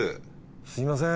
すみません。